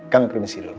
kami permisi dulu